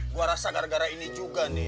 gue rasa gara gara ini juga nih